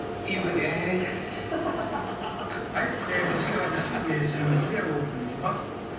呂そして私シンイチでお送りします。